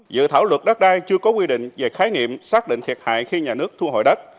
dự thảo luật đất đai chưa có quy định về khái niệm xác định thiệt hại khi nhà nước thu hồi đất